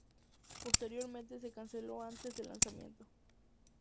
Posteriormente se canceló antes del lanzamiento.